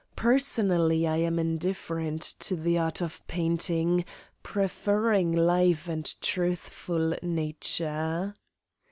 Personally I am indifferent to the art of painting, preferring live and truthful nature.)